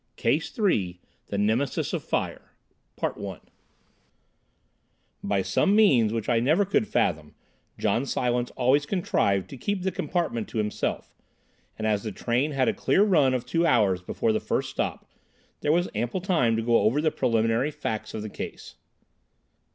CASE III: THE NEMESIS OF FIRE I By some means which I never could fathom, John Silence always contrived to keep the compartment to himself, and as the train had a clear run of two hours before the first stop, there was ample time to go over the preliminary facts of the case.